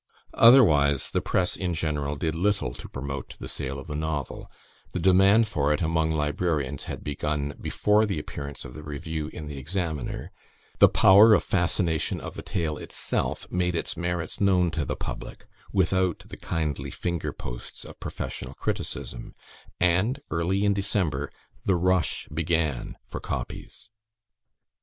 Otherwise, the press in general did little to promote the sale of the novel; the demand for it among librarians had begun before the appearance of the review in the Examiner; the power of fascination of the tale itself made its merits known to the public, without the kindly finger posts of professional criticism; and, early in December, the rush began for copies.